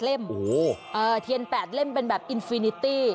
เล่มเทียน๘เล่มเป็นแบบอินฟินิตี้